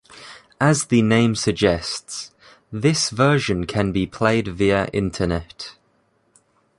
As the name suggests, this version can be played via Internet.